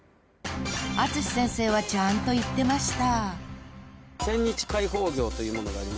［淳先生はちゃんと言ってました］